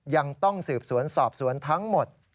ยังต้องสืบสวนสอบสวนทั้งหมด